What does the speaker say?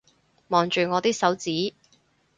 望住我啲手指